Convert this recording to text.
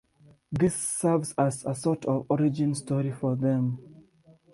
This serves as a sort of origin story for them.